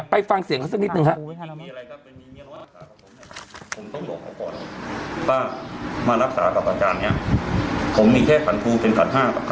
ฟังเสียงเขาสักนิดนึงครับ